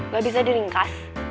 gak bisa diringkas